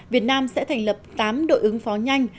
việt nam sẽ thành lập tám đội ứng phó nhanh